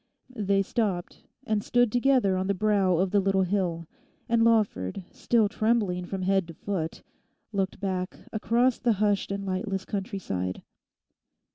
They stopped and stood together on the brow of the little hill, and Lawford, still trembling from head to foot, looked back across the hushed and lightless countryside.